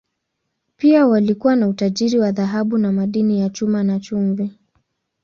Pia walikuwa na utajiri wa dhahabu na madini ya chuma, na chumvi.